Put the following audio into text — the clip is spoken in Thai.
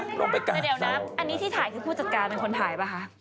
เดี๋ยวนะอันนี้ที่ถ่ายคือผู้จัดการเป็นคนถ่ายป่ะคะ